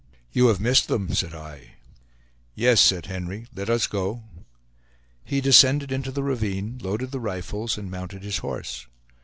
"You have missed them," said I. "Yes," said Henry; "let us go." He descended into the ravine, loaded the rifles, and mounted his horse.